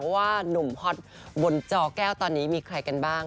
ว่านุ่มฮอตบนจอแก้วตอนนี้มีใครกันบ้าง